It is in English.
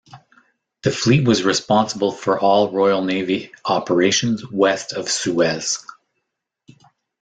The fleet was responsible for all Royal Navy operations "West of Suez".